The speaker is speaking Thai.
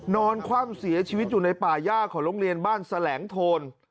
คว่ำเสียชีวิตอยู่ในป่าย่าของโรงเรียนบ้านแสลงโทน